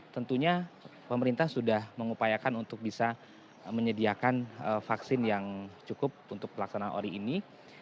tentunya pemerintah sudah mengupayakan untuk bisa menyediakan vaksin yang cukup untuk pelaksanaan ori ini